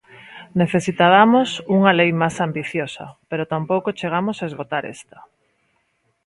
Necesitabamos unha lei máis ambiciosa pero tampouco chegamos esgotar esta.